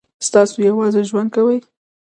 تاسو یوازې ژوند کوئ؟